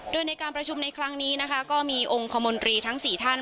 โดยในการประชุมในครั้งนี้นะคะก็มีองค์คมนตรีทั้ง๔ท่าน